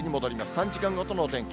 ３時間ごとのお天気。